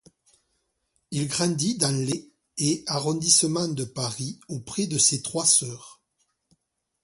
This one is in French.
Il grandit dans les et arrondissements de Paris auprès de ses trois sœurs.